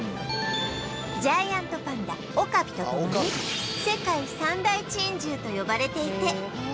ジャイアントパンダオカピとともに世界三大珍獣と呼ばれていて